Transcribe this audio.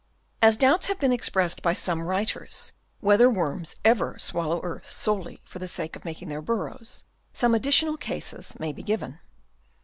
As doubts have been expressed by some writers whether worms ever swallow earth solely for the sake of making their burrows, some additional cases may be given.